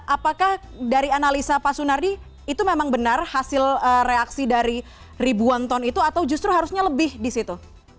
apakah dari analisa pak sunardi itu memang benar hasil reaksi dari ribuan ton itu atau justru harusnya lebih di situ